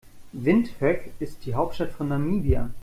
Windhoek ist die Hauptstadt von Namibia.